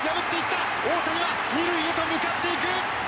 大谷は２塁へと向かっていく！